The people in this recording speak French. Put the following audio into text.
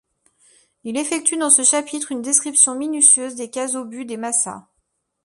Il effectue dans ce chapitre une description minutieuse des cases obus des Massas.